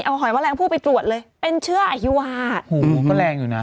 เอาหอยแมลงผู้ไปตรวจเลยเป็นเชื้ออฮิวาโอ้โหก็แรงอยู่นะ